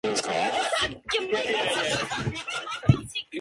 ここで確実に祓います。